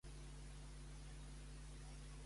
Què se simula el dia de l'alardo?